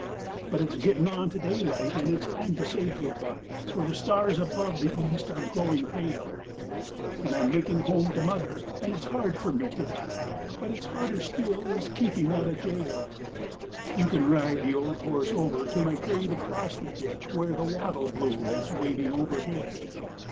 'But it's getting on to daylight and it's time to say good bye, For the stars above the East are growing pale. And I'm making home to mother and it's hard for me to die! But it's harder still, is keeping out of gaol! You can ride the old horse over to my grave across the dip Where the wattle bloom is waving overhead.